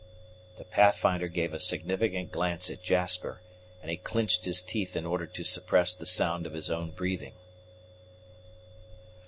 The Pathfinder gave a significant glance at Jasper, and he clinched his teeth in order to suppress the sound of his own breathing.